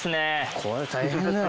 これ大変だよ。